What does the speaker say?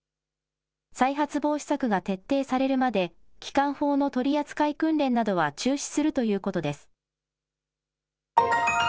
再発防止策が徹底されるまで機関砲の取り扱い訓練などは中止するということです。